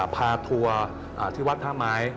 พาทัวร์ที่วัดธะไม้